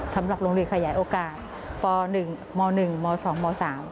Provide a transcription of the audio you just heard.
สำหรับโรงเรียนขยายโอกาสป๑ม๑ม๒ม๓